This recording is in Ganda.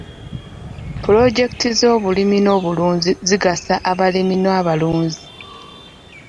Pulojekiti z'obulimi n'obulunzi zigasa abalimi n'abalunzi.